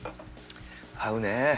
合うね！